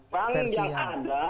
bank yang ada